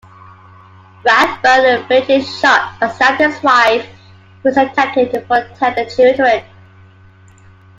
Rathbone fatally shot and stabbed his wife, who was attempting to protect the children.